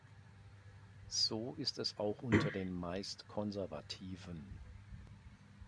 So ist es auch unter den meist Konservativen.